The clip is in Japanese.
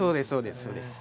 そうです